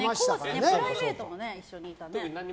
プライベートも一緒にいたね。